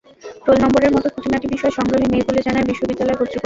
Role নম্বরের মতো খুঁটিনাটি বিষয় সংগ্রহে নেই বলে জানায় বিশ্ববিদ্যালয় কর্তৃপক্ষ।